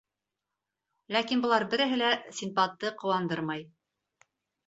Ләкин былар береһе лә Синдбадты ҡыуандырмай.